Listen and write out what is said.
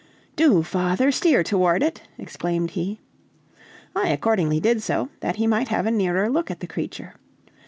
"Do, father, steer toward it!" exclaimed he. I accordingly did so, that he might have a nearer look at the creature.